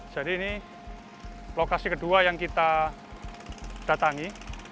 jadi ini lokasi kedua yang kita datangi